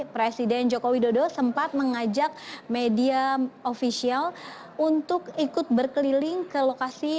presiden joko widodo sempat mengajak media ofisial untuk ikut berkeliling ke lokasi